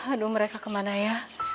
aduh mereka kemana ya